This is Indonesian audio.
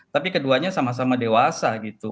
tapi keduanya sama sama dewasa gitu